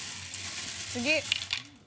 次。